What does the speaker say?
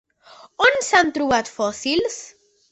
On s'han trobat fòssils?